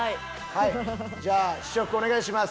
じゃあ試食お願いします。